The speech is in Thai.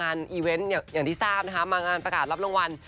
อีเวนต์อย่างที่ทราบนะคะมางานประกาศรับรางวัล